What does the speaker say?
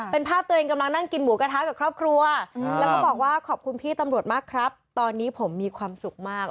เป็นภาพตัวเองกำลังนั่งกินหมูกระทะกับครอบครัวแล้วก็บอกว่าขอบคุณพี่ตำรวจมากครับตอนนี้ผมมีความสุขมาก